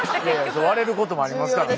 割れることもありますからね。